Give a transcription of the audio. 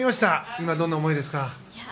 今、どんな思いですか？